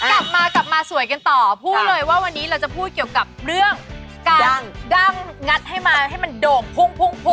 กลับมากลับมาสวยกันต่อพูดเลยว่าวันนี้เราจะพูดเกี่ยวกับเรื่องการดั้งงัดให้มาให้มันโด่งพุ่งพุ่ง